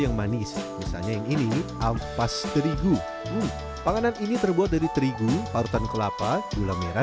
yang manis misalnya yang ini ampas terigu panganan ini terbuat dari terigu parutan kelapa gula merah